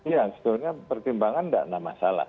ya sebenarnya pertimbangan tidak masalah